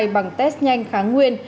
bằng test nhanh kháng nguyên